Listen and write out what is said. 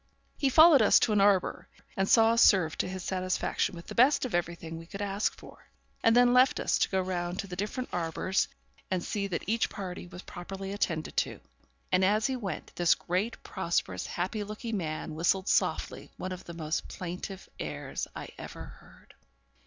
He followed us to an arbour, and saw us served to his satisfaction with the best of everything we could ask for; and then left us to go round to the different arbours and see that each party was properly attended to; and, as he went, this great, prosperous, happy looking man whistled softly one of the most plaintive airs I ever heard.